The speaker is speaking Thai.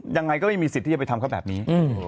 ยังไงก็ไม่มีสิทธิ์ที่จะไปทำเขาแบบนี้